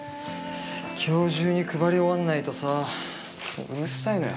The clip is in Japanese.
今日中に配り終わんないとさうるさいのよ。